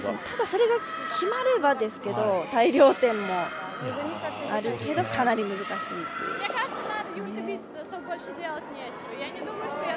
ただ、それが決まれば大量点もあるけどかなり難しいです。